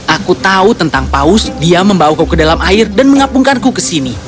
aku tahu tentang paus dia membawaku ke dalam air dan mengapungkanku ke sini